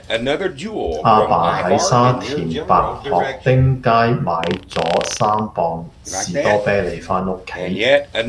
亞爸喺沙田白鶴汀街買左三磅士多啤梨返屋企